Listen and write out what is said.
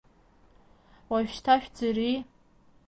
Уажәшьҭа шәӡырҩи!